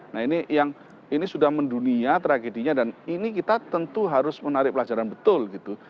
nah ini yang ini sudah mendunia tragedinya dan ini kita tentu harus menarik pelajaran betul gitu